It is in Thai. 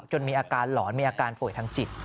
มีอาการหลอนมีอาการป่วยทางจิต